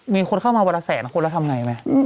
มีคนเข้ามาวันละแสนคนแล้วทำไงไหม